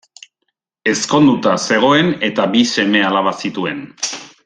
Ezkonduta zegoen eta bi seme-alaba zituen.